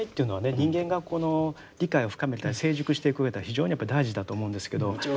人間がこの理解を深めたり成熟していくうえでは非常にやっぱり大事だと思うんですけど。